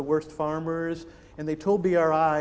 mereka adalah pekerja yang terburuk